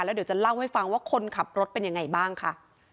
เดี๋ยวจะเล่าให้ฟังว่าคนขับรถเป็นยังไงบ้างค่ะ